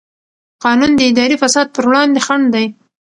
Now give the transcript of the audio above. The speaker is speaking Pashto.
قانون د اداري فساد پر وړاندې خنډ دی.